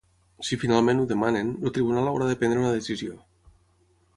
Si finalment ho demanen, el tribunal haurà de prendre una decisió.